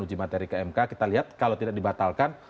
uji materi ke mk kita lihat kalau tidak dibatalkan